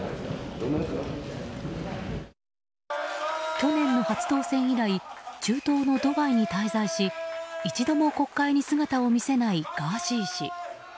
去年の初当選以来中東のドバイに滞在し一度も国会に姿を見せないガーシー氏。